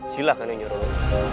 silah kan yang nyuruh lo